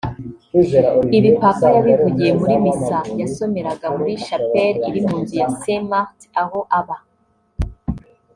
Ibi Papa yabivugiye muri misa yasomeraga muri Chapelle iri mu nzu ya Saint-Marthe aho aba